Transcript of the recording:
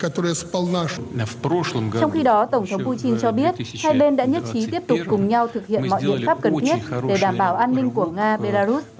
trong khi đó tổng thống putin cho biết hai bên đã nhất trí tiếp tục cùng nhau thực hiện mọi biện pháp cần thiết để đảm bảo an ninh của nga belarus